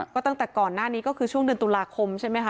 ก็ตั้งแต่ก่อนหน้านี้ก็คือช่วงเดือนตุลาคมใช่ไหมคะ